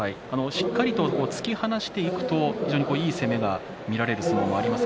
しっかりと突き放していく非常にいい攻めが見られる相撲があります。